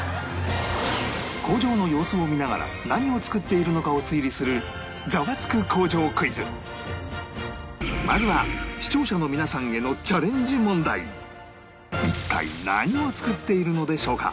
工場の様子を見ながら何を作っているのかを推理するまずは視聴者の皆さんへの一体何を作っているのでしょうか？